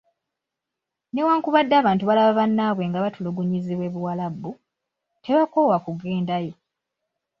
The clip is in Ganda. Newankubadde abantu balaba bannaabwe nga batulugunyizibwa e Buwarabu, tebakoowa kugendayo.